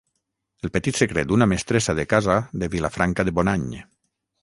El petit secret d'una mestressa de casa de Vilafranca de Bonany